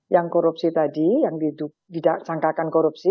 yang korupsi tadi yang dididak sangkakan korupsi